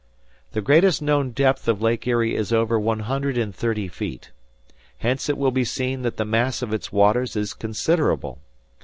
The greatest known depth of Lake Erie is over one hundred and thirty feet. Hence it will be seen that the mass of its waters is considerable.